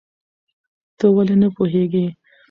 ته ولې نه پوهېږې؟